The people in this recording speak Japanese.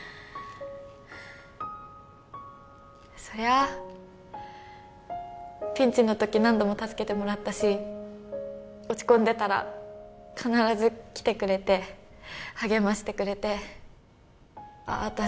そりゃあピンチのとき何度も助けてもらったし落ち込んでたら必ず来てくれて励ましてくれてああ